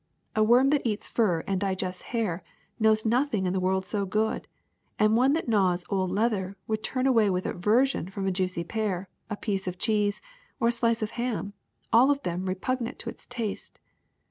A worm that eats fur and digests hair knows nothing in the world so good, and one that gnaws old leather would turn away with aversion from a juicy pear, a piece of cheese, or a slice of ham, all of them re pugnant to its taste.